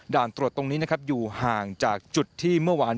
ตรวจตรงนี้นะครับอยู่ห่างจากจุดที่เมื่อวาน